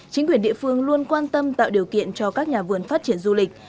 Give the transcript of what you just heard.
chính quyền địa phương luôn quan tâm tạo điều kiện cho các nhà vườn phát triển du lịch